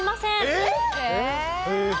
えっ！？